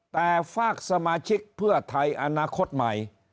แต่ฝากสมาชิกเพื่อไทยอนาคตใหม่